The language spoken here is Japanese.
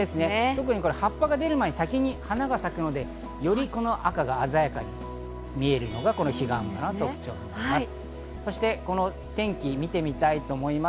特に葉っぱが出る前、先に花が咲くので、より赤が鮮やかに見えるのが彼岸花の特徴です。